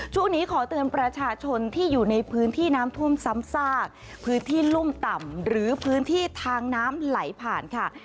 ช่วงนี้ขอเตือนประชาชนที่อยู่ในพื้นที่น้ำท่วมซ้ำซากพื้นที่ลุ่มต่ำหรือพื้นที่ทางน้ำไหลผ่านค่ะ